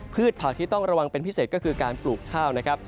ผักที่ต้องระวังเป็นพิเศษก็คือการปลูกข้าวนะครับ